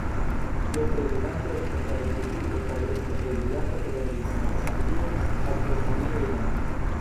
Ĝia prezidanto estas la deputito kaj eksa prezidanto de la Regiona Konsilio Alfred Marie-Jeanne.